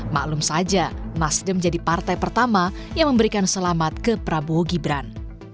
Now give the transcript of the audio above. maklum saja nasdem jadi partai pertama yang memberikan selamat ke prabowo gibran